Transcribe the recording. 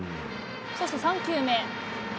そして３球目。